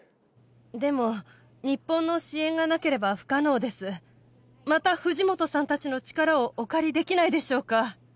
でも日本の支援がなければ不可能ですまた藤本さんたちの力をお借りできないでしょうか？